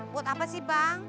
buat apa sih bang